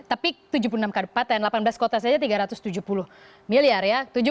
tapi tujuh puluh enam kabupaten delapan belas kota saja tiga ratus tujuh puluh miliar ya